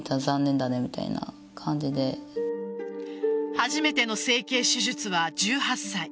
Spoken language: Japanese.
初めての整形手術は１８歳。